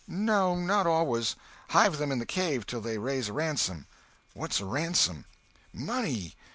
"No, not always. Hive them in the cave till they raise a ransom." "What's a ransom?" "Money.